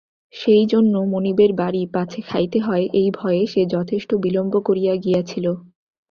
সেইজন্য মনিবের বাড়ি পাছে খাইতে হয় এই ভয়ে সে যথেষ্ট বিলম্ব করিয়া গিয়াছিল।